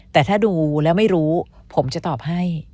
แต่ถ้าดูแล้วไม่รู้ผมจะตอบให้